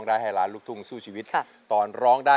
พี่ฟังเบื่อนอยู่นะ